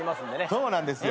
そうなんですよ。